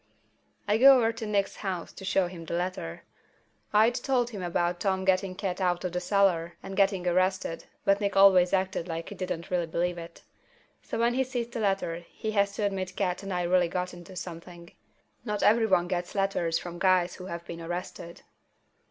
I go over to Nick's house to show him the letter. I'd told him about Tom getting Cat out of the cellar and getting arrested, but Nick always acted like he didn't really believe it. So when he sees the letter, he has to admit Cat and I really got into something. Not everyone gets letters from guys who have been arrested.